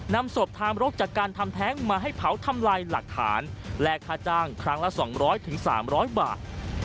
นำศพทามรกจากการทำแท้งมาให้เผาทำลายหลักฐานแลกค่าจ้างครั้งละ๒๐๐๓๐๐บาท